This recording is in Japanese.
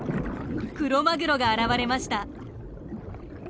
クロマグロが現れました。